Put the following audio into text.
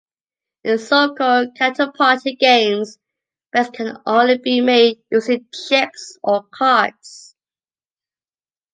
In so-called counterparty games, bets can only be made using chips or cards.